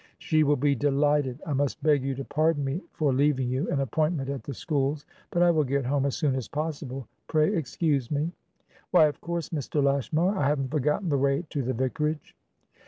"She will be delighted. I must beg you to pardon me for leaving youan appointment at the schools; but I will get home as soon as possible. Pray excuse me." "Why, of course, Mr. Lashmar. I haven't forgotten the way to the vicarage."